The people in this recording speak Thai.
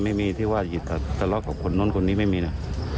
ไม่มีที่ว่าทะเลาะกับคนนู้นคนนี้ไม่มีนะ